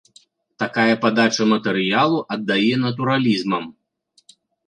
Такая падача матэрыялу аддае натуралізмам.